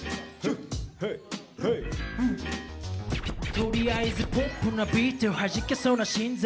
とりあえずポップなビートはじけそうな心臓。